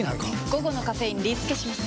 午後のカフェインリスケします！